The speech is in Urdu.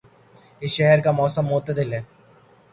اس شہر کا موسم معتدل ہے